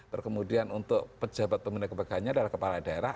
terkemudian untuk pejabat pembina kepegawaiannya adalah kepala daerah